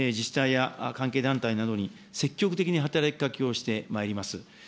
今後、自治体や関係団体などに積極的に働きかけをしてまいります。